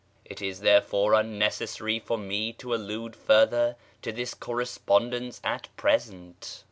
It is therefore unnecessary for me to allude further to this correspondence at present.